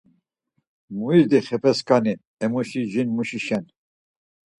Muizdi xeepeskani emuşi jinmuşişen!